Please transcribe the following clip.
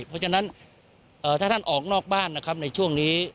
เพราะฉะนั้นถ้าท่านออกนอกบ้านนะครับในช่วงนี้